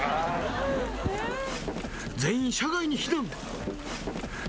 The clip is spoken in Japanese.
全員、車外に避難。